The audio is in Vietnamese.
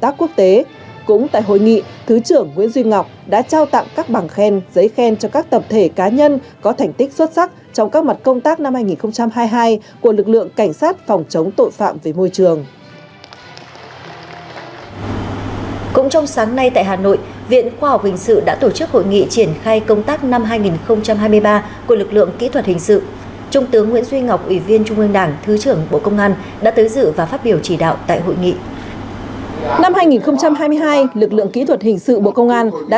tập trung triển khai công tác năm hai nghìn hai mươi hai trung tướng nguyễn duy ngọc ủy viên trung ương đảng thứ trưởng bộ công an dự và phát biểu chỉ đạo tại hội nghị